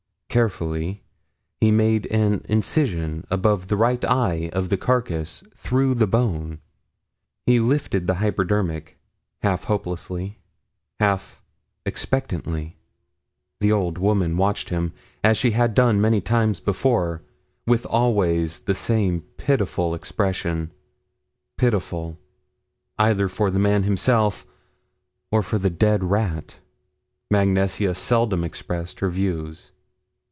Carefully he made an incision above the right eye of the carcass through the bone. He lifted the hypodermic, half hopelessly, half expectantly. The old woman watched him, as she had done many times before, with always the same pitiful expression. Pitiful, either for the man himself or for the dead rat. Mag Nesia seldom expressed her views.